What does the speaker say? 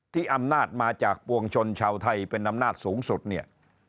อำนาจมาจากปวงชนชาวไทยเป็นอำนาจสูงสุดเนี่ย